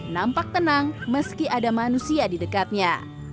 nampak tenang meski ada manusia di dekatnya